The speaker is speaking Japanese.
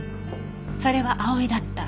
「それは葵だった」